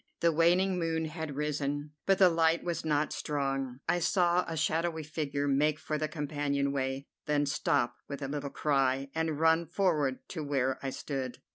The waning moon had risen, but the light was not strong. I saw a shadowy figure make for the companion way, then stop with a little cry, and run forward to where I stood.